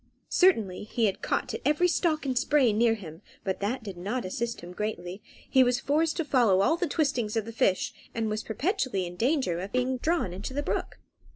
Certainly he caught at every stalk and spray near him, but that did not assist him greatly; he was forced to follow all the twistings of the fish, and was perpetually in danger of being drawn into the brook.